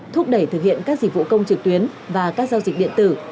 thúc đẩy thực hiện các dịch vụ công trực tuyến và các giao dịch điện tử